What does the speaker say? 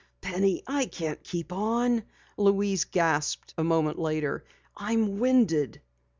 "Penny, I can't keep on!" Louise gasped a moment later. "I'm winded."